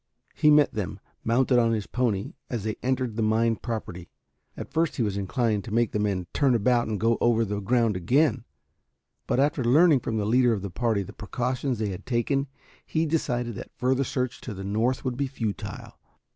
He met them, mounted on his pony, as they entered the mine property. At first he was inclined to make the men turn about and go over the ground again, but after learning from the leader of the party the precautions they had taken, he decided that further search to the north would be futile.